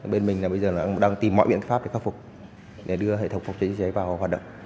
bên mình là bây giờ cũng đang tìm mọi biện pháp để khắc phục để đưa hệ thống phòng cháy chữa cháy vào hoạt động